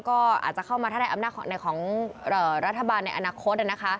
ก็อาจจะเข้ามาถ้าในอำนาจของรัฐบาลในอนาคต